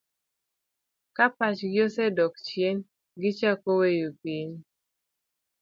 Ka pachgi osedok chien, gichako weyo piny.